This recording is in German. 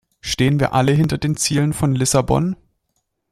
Stehen wir alle hinter den Zielen von Lissabon?